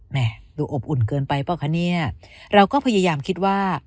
ดูอบอุ่นเกินไปเปล่าคะเนี่ยเราก็พยายามคิดว่า